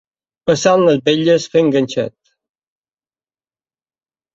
Passar les vetlles fent ganxet.